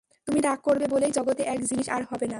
তুমি রাগ করবে বলেই জগতে এক জিনিস আর হবে না।